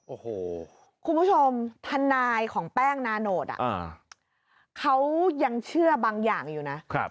โอ้โหคุณผู้ชมทนายของแป้งนาโนตเขายังเชื่อบางอย่างอยู่นะ